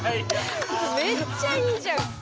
めっちゃいいじゃん。